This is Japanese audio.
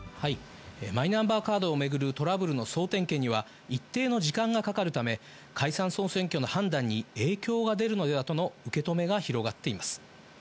マイナンバーカードを巡るトラブルの総点検には、一定の時間がかかるため、解散・総選挙の判断に影響が出るのではとの受け止めが広がっています。